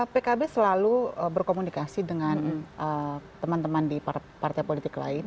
pkb selalu berkomunikasi dengan teman teman di partai politik lain